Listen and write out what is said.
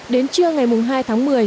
đến trưa ngày hai tháng một mươi